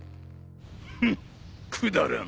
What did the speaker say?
フンくだらん。